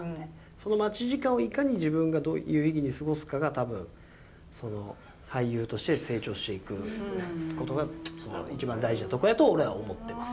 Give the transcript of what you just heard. その待ち時間をいかに自分がどう有意義に過ごすかが多分俳優として成長していくことが一番大事なとこやと俺は思ってます。